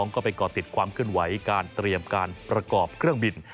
ก็ไปก่อติดความเคลื่อนไหวการเตรียมการประกอบเครื่องบิน